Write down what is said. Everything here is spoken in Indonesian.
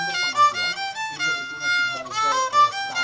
soalnya sebelum nanti suatu pengamu di bapak bapak bapak sunda pangatuan